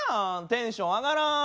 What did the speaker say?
テンション上がらん。